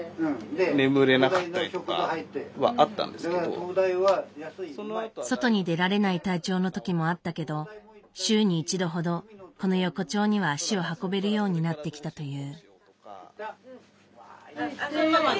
今は外に出られない体調のときもあったけど週に一度ほどこの横丁には足を運べるようになってきたという。